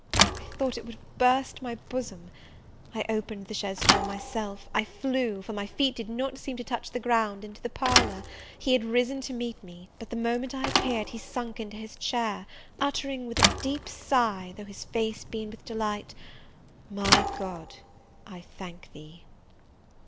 I thought it would have burst my bosom! I opened the chaise door myself; I flew, for my feet did not seem to touch the ground, into the parlour: he had risen to meet me; but the moment I appeared he sunk into his chair, uttering, with a deep sigh, though his face beamed with delight, "My God, I thank thee!"